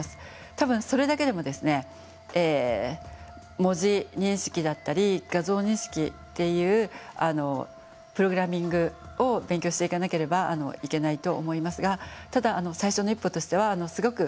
多分それだけでもですね文字認識だったり画像認識っていうプログラミングを勉強していかなければいけないと思いますがただ最初の一歩としてはすごくいいと思います。